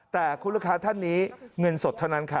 แต่คุณลูกค้าท่านนี้เงินสดเท่านั้นค่ะ